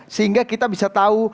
sehingga kita bisa tahu